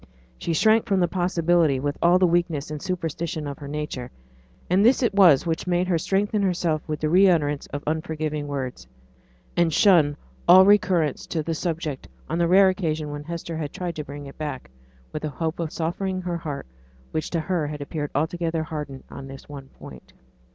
She shrank from such a possibility with all the weakness and superstition of her nature; and this it was which made her strengthen herself with the re utterance of unforgiving words; and shun all recurrence to the subject on the rare occasion when Hester had tried to bring it back, with a hope of softening the heart which to her appeared altogether hardened on this one point.